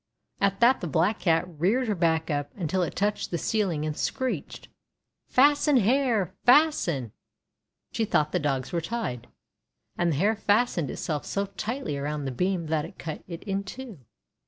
At that the Black Cat reared her back up until it touched the ceiling, and screeched :— "Fasten hair! Fasten!'' for she thought the Dogs were tied. And the hair fastened itself so tightly around the beam that it cut it in two.